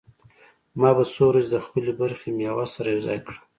ما به څو ورځې د خپلې برخې مېوه سره يوځاى کړه.